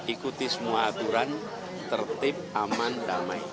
ikuti semua aturan tertib aman damai